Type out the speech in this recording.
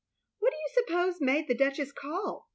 "What do you suppose made the Duchess call?"